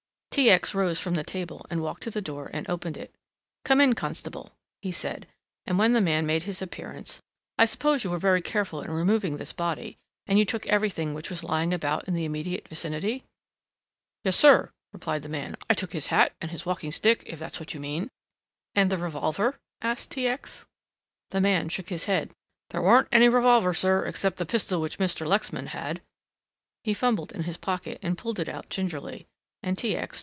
T. X. rose from the table and walked to the door and opened it. "Come in, constable," he said, and when the man made his appearance, "I suppose you were very careful in removing this body, and you took everything which was lying about in the immediate vicinity'?" "Yes, sir," replied the man, "I took his hat and his walkingstick, if that's what you mean." "And the revolver!" asked T. X. The man shook his head. "There warn't any revolver, sir, except the pistol which Mr. Lexman had." He fumbled in his pocket and pulled it out gingerly, and T. X.